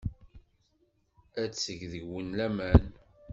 Ad teg deg-wen laman.